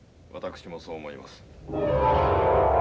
私もそう思います。